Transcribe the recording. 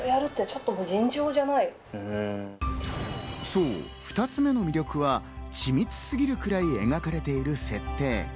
そう、２つ目の魅力は緻密すぎるくらい描かれている設定。